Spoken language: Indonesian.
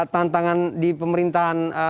tantangan di pemerintahan